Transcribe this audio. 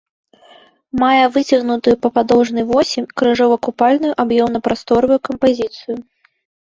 Мае выцягнутую па падоўжнай восі крыжова-купальную аб'ёмна-прасторавую кампазіцыю.